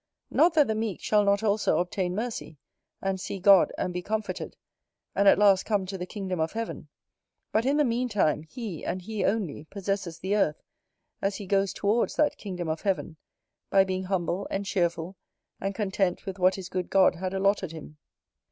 Not that the meek shall not also obtain mercy, and see God, and be comforted, and at last come to the kingdom of heaven: but in the meantime, he, and he only, possesses the earth, as he goes towards that kingdom of heaven, by being humble and cheerful, and content with what his good God had allotted him.